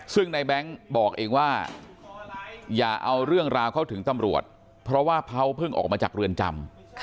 ซึ่งในแบงค์บอกเองว่าอย่าเอาเรื่องราวเข้าถึงตำรวจเพราะว่าเขาเพิ่งออกมาจากเรือนจำ